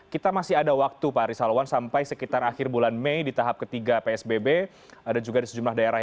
kita masih ada waktu pak risalwan sampai sekitar akhir bulan mei di tahap ketiga psbb dan juga di sejumlah daerah